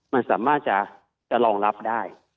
มันสามารถจะรองรับได้